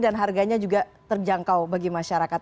dan harganya juga terjangkau bagi masyarakat